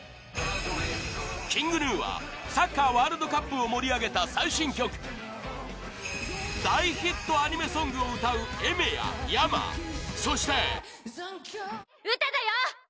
ＫｉｎｇＧｎｕはサッカーワールドカップを盛り上げた最新曲大ヒットアニメソングを歌うＡｉｍｅｒやｙａｍａそしてウタ：ウタだよ！